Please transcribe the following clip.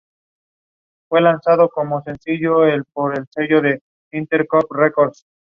Si se sienten amenazadas, desactivan la luz.